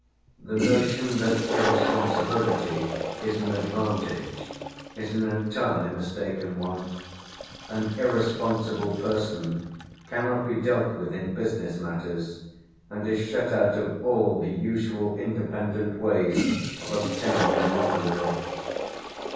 The notion that irresponsibility is an advantage is an entirely mistaken one; an irresponsible person cannot be dealt with in business matters, and is shut out of all the usual independent ways of obtaining a livelihood.